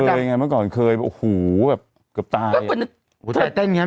เกอไรไงเมื่อก่อนเกลียดหูอาจจะตาย